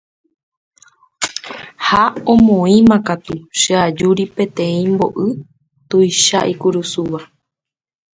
Ha omoĩmakatu che ajúri peteĩ mbo'y tuicha ikurusúva.